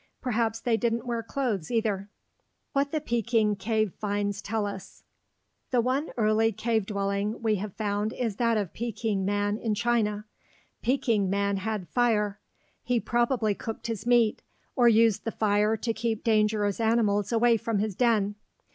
Perhaps they didn't wear clothes, either. WHAT THE PEKING CAVE FINDS TELL US The one early cave dwelling we have found is that of Peking man, in China. Peking man had fire. He probably cooked his meat, or used the fire to keep dangerous animals away from his den.